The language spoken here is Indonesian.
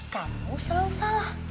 kamu selalu salah